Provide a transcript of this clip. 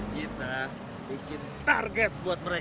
kita bikin target buat mereka